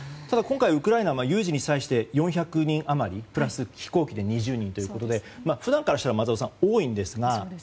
ただ今回、ウクライナの有事に際して４００人余りプラス飛行機で２０人ということで普段からしたら、松尾さん多いんですが。